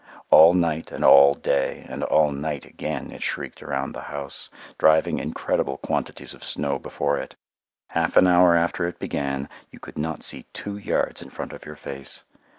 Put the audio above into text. All night and all day and all night again it shrieked around the house, driving incredible quantities of snow before it. Half an hour after it began, you could not see two yards in front of your face.